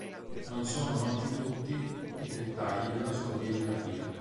Non sono noti tutti i dettagli della sua biografia.